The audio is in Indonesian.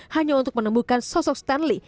hanya untuk menemukan sosok stan lee